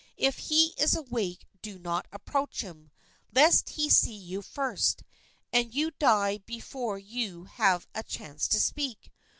If he is awake do not approach him, lest he see you first, and you die before you have a chance to speak.